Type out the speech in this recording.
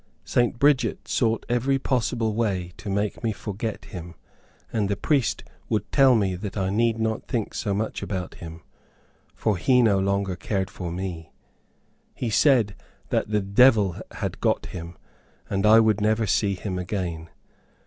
St. Bridget sought in every possible way to make me forget him, and the priest would tell me that I need not think so much about him, for he no longer cared for me. He said the devil had got him, and I would never see him again.